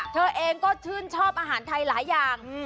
เธอเองก็ชื่นชอบอาหารไทยหลายอย่าง